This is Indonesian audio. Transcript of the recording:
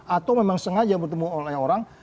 atau memang sengaja bertemu oleh orang